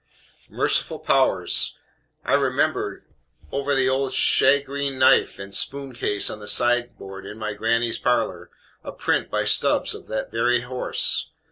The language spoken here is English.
Merciful powers! I remember, over the old shagreen knife and spoon case on the sideboard in my gr nny's parlor, a print by Stubbs of that very horse.